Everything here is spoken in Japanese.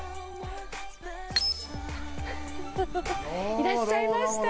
いらっしゃいました。